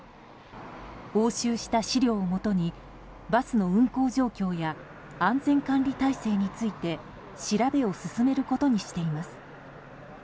押収した資料をもとにバスの運行状況や安全管理体制について調べを進めることにしています。